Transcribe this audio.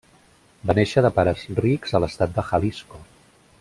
Va néixer de pares rics a l'estat de Jalisco.